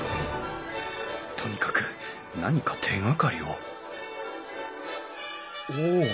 とにかく何か手がかりをお！